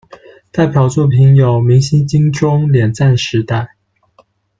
代表作品有《明星金钟》、《脸赞时代》。